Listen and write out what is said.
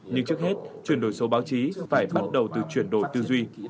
nhưng trước hết chuyển đổi số báo chí phải bắt đầu từ chuyển đổi tư duy